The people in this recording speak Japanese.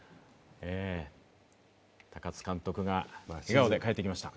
高津監督が笑顔で帰ってきました。